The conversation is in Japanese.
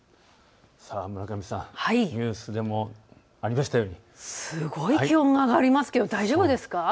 村上さん、ニュースでもありましたようにすごい気温が上がりますけど大丈夫ですか。